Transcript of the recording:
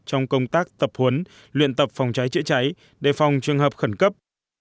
trong công tác tập huấn luyện tập phòng cháy chữa cháy đề phòng trường hợp khẩn cấp